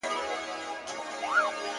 څارنوال او د قاضي که د بابا ده-